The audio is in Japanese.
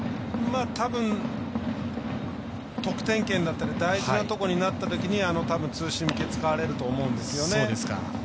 たぶん、得点圏だったり大事なところになったときにたぶん、ツーシーム系使われると思うんですよね。